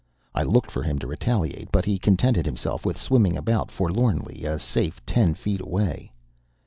I looked for him to retaliate, but he contented himself with swimming about forlornly a safe ten feet away.